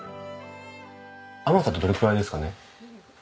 甘さってどれくらいですかね？